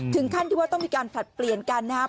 ถึงขั้นที่ว่าต้องมีการผลัดเปลี่ยนกันนะครับ